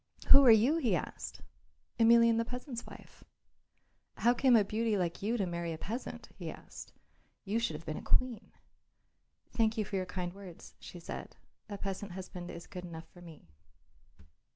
"Who are you?" he asked. "Emelian the peasant's wife." "How came a beauty like you to marry a peasant?" he asked. "You should have been a queen." "Thank you for your kind words," she said; "a peasant husband is good enough for me."